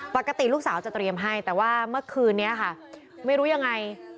ปกติลูกสาวจะเตรียมให้แต่ว่าเมื่อคืนนี้ค่ะไม่รู้ยังไง